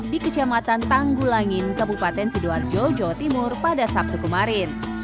di kecamatan tanggulangin kabupaten sidoarjo jawa timur pada sabtu kemarin